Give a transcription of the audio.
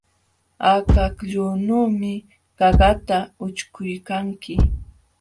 Akakllunuumi qaqata ućhkuykanki.